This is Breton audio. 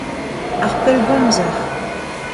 ar pellgomzer